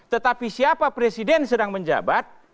tetapi siapa presiden sedang menjabat